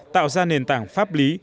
tạo ra nền tảng pháp lý